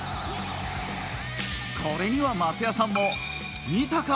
これには松也さんも、見たか！